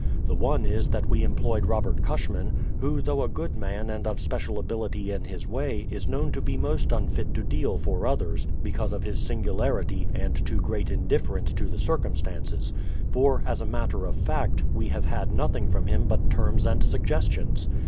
The one is that we employed Robert Cushman, who though a good man and of special ability in his way is known to be most unfit to deal for others, because of his singularity and too great indiiTerence to the circumstances, — for, as a matter of fact, we have had nothing from him but terms and suggestions.